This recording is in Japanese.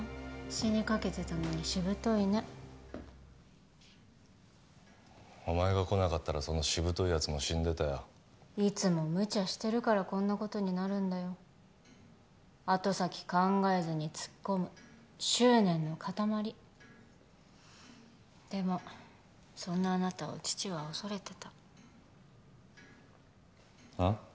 死にかけてたのにしぶといねお前が来なかったらそのしぶといやつも死んでたよいつもムチャしてるからこんなことになるんだよ後先考えずに突っ込む執念の塊でもそんなあなたを父は恐れてたあっ？